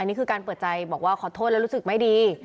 นี่คือการเปิดใจบอกว่าขอโทษและรู้สึกไม่ดี